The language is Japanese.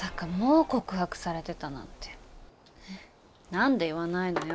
何で言わないのよ。